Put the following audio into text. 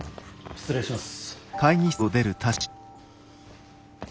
失礼します。